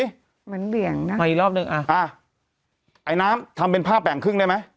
เหมือนเบี่ยงนะมาอีกรอบหนึ่งอ่ะไอ้น้ำทำเป็นผ้าแบ่งครึ่งได้ไหม